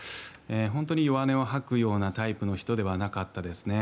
本当に弱音を吐くようなタイプの人ではなかったですね。